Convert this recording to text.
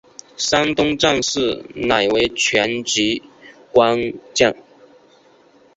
山东战事仍为全局关键。